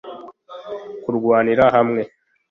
kurwanira hamwe